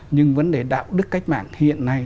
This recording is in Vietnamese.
nhưng vấn đề đạo đức cách mạng hiện nay